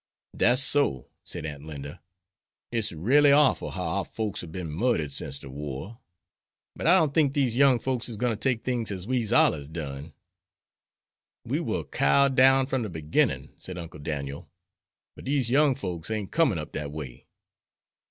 "Dat's so," said Aunt Linda, "it's ralely orful how our folks hab been murdered sence de war. But I don't think dese young folks is goin' ter take things as we's allers done." "We war cowed down from the beginnin'," said Uncle Daniel, "but dese young folks ain't comin' up dat way."